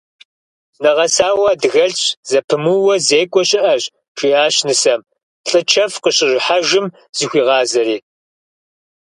Нэгъэсауэ адыгэлӏщ, зэпымыууэ зекӏуэ щыӏэщ, жиӏащ нысэм, лӏы чэф къыщӏыхьэжам зыхуигъазри.